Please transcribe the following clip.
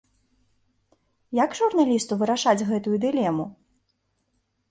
Як журналісту вырашаць гэтую дылему?